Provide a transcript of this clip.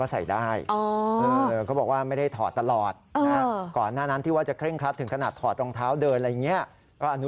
ใส่ไหมคุณสุบสกุลไส่สิครับ